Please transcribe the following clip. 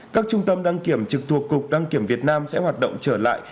các trung tâm đăng kiểm trực thuộc cục đăng kiểm việt nam sẽ hoạt động trở lại